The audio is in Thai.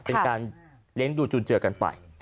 เป็นการเลี้ยงดูจุนเจอกันไป